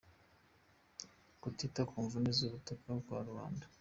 Kutita ku mvune n’ugutaka kwa rubanda